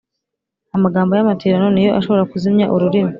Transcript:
amagambo y’amatirano ni yo ashobora kuzimya ururimi